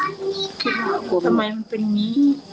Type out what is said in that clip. ทำไมมันเป็นอย่างนี้